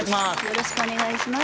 よろしくお願いします。